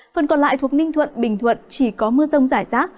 phần còn lại thuộc ninh thuận bình thuận chỉ có mưa rông rải rác